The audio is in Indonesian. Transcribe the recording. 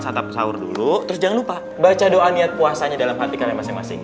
santap sahur dulu terus jangan lupa baca doa niat puasanya dalam hati kalian masing masing